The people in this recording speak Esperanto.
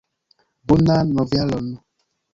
Bonan novjaron!